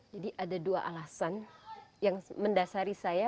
jadi ada dua alasan yang mendasari saya